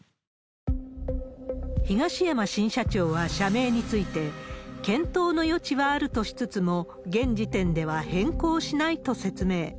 東山新社長は社名について、検討の余地はあるとしつつも、現時点では変更しないことを説明。